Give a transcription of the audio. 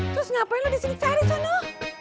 terus ngapain lu disini cari sana